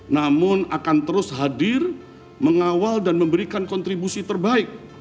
namun akan terus hadir mengawal dan memberikan kontribusi terbaik